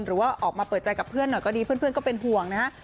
หรือว่าออกมาเปิดใจกับเพื่อนหน่อยก็ดีเพื่อนก็เป็นห่วงนะฮะ